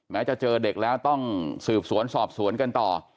จะเจอเด็กแล้วต้องสืบสวนสอบสวนกันต่อ